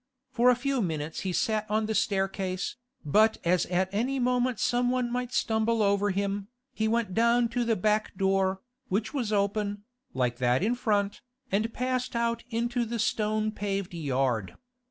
For a few minutes he sat on the staircase, but as at any moment some one might stumble over him, he went down to the back door, which was open, like that in front, and passed out into the stone paved yard.